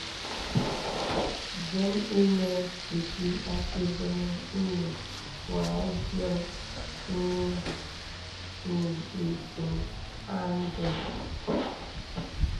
Dìōm inə pī àsí vənə inə wà dìaŋ nì ìdiŋ à ndəm.